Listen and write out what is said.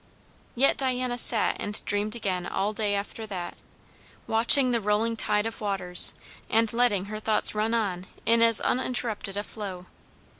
Yet Diana sat and dreamed again all day after that, watching the rolling tide of waters, and letting her thoughts run on in as uninterrupted a flow.